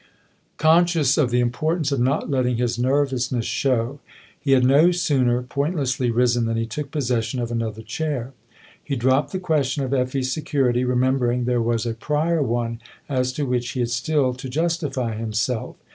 XVIII CONSCIOUS of the importance of not letting his nervousness show, he had no sooner pointlessly risen than he took possession of another chair. He dropped the question of Effie's security, remembering there was a prior one as to which he had still to justify himself.